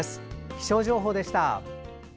気象情報でした。